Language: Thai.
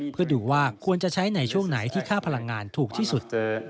เพื่อดูว่าควรจะใช้ในช่วงไหนที่ค่าพลังงานถูกที่สุด